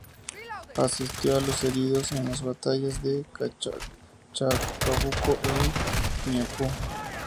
Asistió a los heridos en las batallas de Chacabuco y en Maipú.